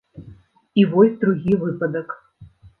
І вось другі выпадак.